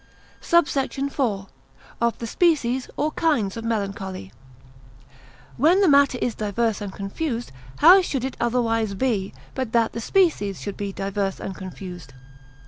SUBSECT. IV.—Of the species or kinds of Melancholy. When the matter is divers and confused, how should it otherwise be, but that the species should be divers and confused?